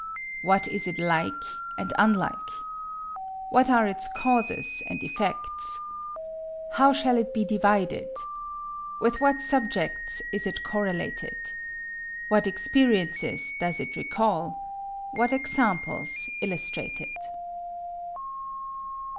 What is it like, and unlike? What are its causes, and effects? How shall it be divided? With what subjects is it correlated? What experiences does it recall? What examples illustrate it?